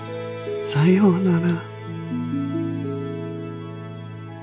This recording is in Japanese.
さようなら。